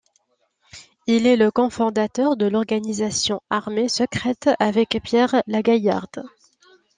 Il est le cofondateur de l'Organisation armée secrète avec Pierre Lagaillarde.